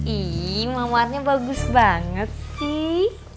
ih mamarnya bagus banget sih